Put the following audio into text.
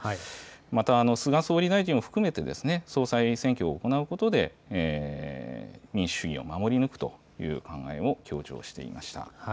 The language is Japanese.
また菅総理大臣を含めて、総裁選挙を行うことで、民主主義を守り抜くという考えを強調していました。